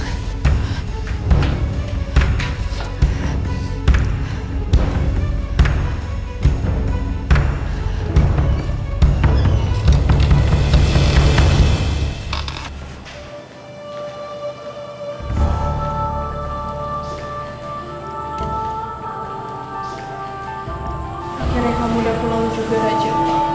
akhirnya kamu udah pulang juga raja